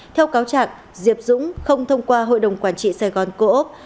theo cáo trạng diệp dũng không thông qua hội đồng quản trị sài gòn coop